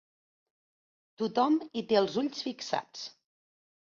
Tothom hi té els ulls fixats.